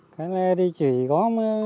cái này thì chỉ có